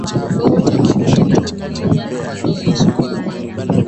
ambao utamaduni ni wakulima na wanaoishi kwa amani